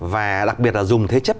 và đặc biệt là dùng thế chất